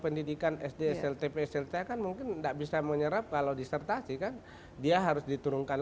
pendidikan sd slt pslt akan mungkin enggak bisa menyerap kalau disertasi kan dia harus diturunkan